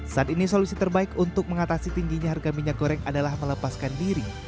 saat ini solusi terbaik untuk mengatasi tingginya harga minyak goreng adalah melepaskan diri